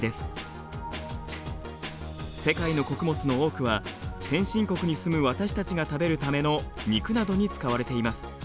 世界の穀物の多くは先進国に住む私たちが食べるための肉などに使われています。